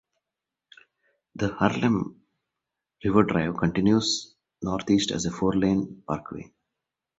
The Harlem River Drive continues northeast as a four-lane parkway.